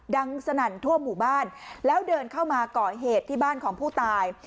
สนั่นทั่วหมู่บ้านแล้วเดินเข้ามาก่อเหตุที่บ้านของผู้ตาย